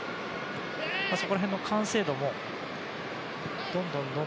そこら辺の完成度もどんどんと。